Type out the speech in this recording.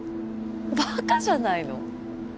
ばかじゃないの？